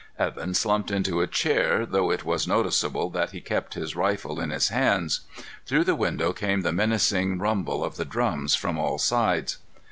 Evan slumped into a chair, though it was noticeable that he kept his rifle in his hands. Through the window came the menacing rumble of the drums from all sides.